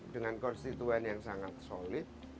dengan konstituen yang sangat solid